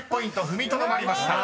踏みとどまりました］